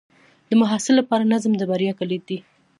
د محصل لپاره نظم د بریا کلید دی.